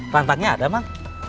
prantangnya ada pak